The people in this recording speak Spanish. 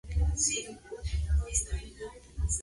Además se les dieron una libreta de título provisorio.